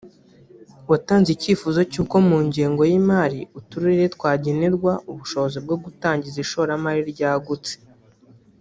watanze icyifuzo cy’uko mu ngengo y’imari uturere twagenerwa ubushobozi bwo gutangiza ishoramari ryagutse